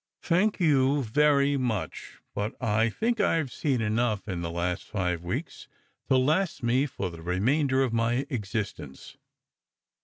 "Thank you very much; but I think I have seen enough in i,he last five weeks to last me for the remainder of my eristence.